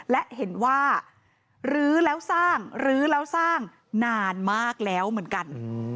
และเห็นว่าลื้อแล้วสร้างลื้อแล้วสร้างนานมากแล้วเหมือนกัน